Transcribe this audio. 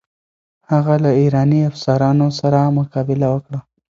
هغه له ایراني افسرانو سره مقابله وکړه.